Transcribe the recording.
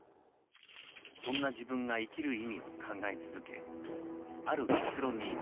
そんな自分が生きる意味を考え続けある結論に至ります。